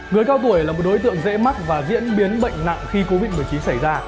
người cao tuổi là một đối tượng dễ mắc và diễn biến bệnh nặng khi covid một mươi chín xảy ra